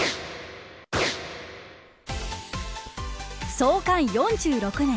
創刊４６年